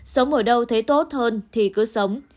sống ở đâu thấy tốt hơn thì cứ sống